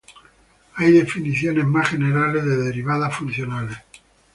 Hay definiciones más generales de derivadas funcionales.